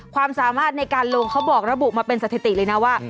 ความสามารถในการลงเขาบอกระบุมาเป็นสถิติเลยนะว่า